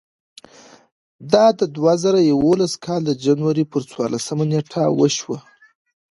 دا د دوه زره یولسم کال د جنورۍ پر څوارلسمه نېټه وشوه.